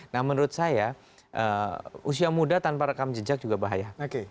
nah menurut saya usia muda tanpa rekam jejak juga bahaya